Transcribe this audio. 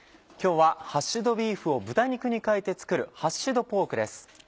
今日はハッシュドビーフを豚肉に変えて作る「ハッシュドポーク」です。